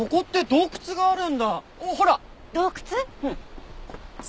うん。